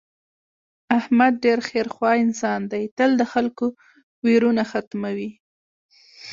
احمد ډېر خیر خوا انسان دی تل د خلکو ویرونه ختموي.